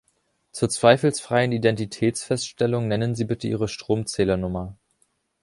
Zur zweifelsfreien Identitätsfeststellung nennen Sie bitte Ihre Stromzählernummer!